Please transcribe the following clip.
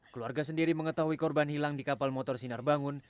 keluarga sendiri mengetahui korban hilang di kapal motor sinar bangun